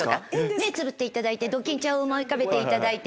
目つぶっていただいてドキンちゃんを思い浮かべていただいて。